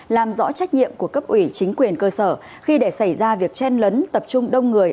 làm rõ trách nhiệm của cấp ủy chính quyền cơ sở khi để xảy ra việc chen lấn tập trung đông người